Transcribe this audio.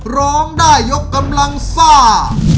ร้องได้ยกกำลังซ่า